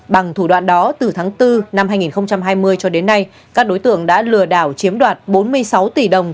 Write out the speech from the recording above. bằng thủ đoạn đó từ tháng bốn năm hai nghìn hai mươi cho đến nay các đối tượng đã lừa đảo chiếm đoạt bốn mươi sáu tỷ đồng